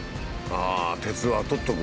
ああ！